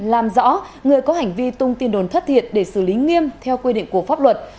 làm rõ người có hành vi tung tin đồn thất thiệt để xử lý nghiêm theo quy định của pháp luật